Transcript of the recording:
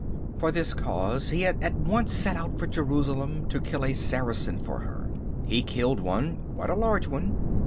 For this cause he had at once set out for Jerusalem to kill a Saracen for her. He killed one, quite a large one.